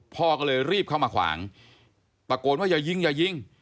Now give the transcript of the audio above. พ่อก็เลยรีบเข้ามาขวางตะโกนว่าอย่ายิงอย่ายิง